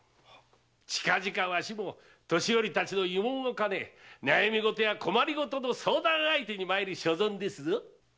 近々わしも年寄り達の慰問を兼ね悩みごとや困りごとの相談相手に参る所存ですぞ。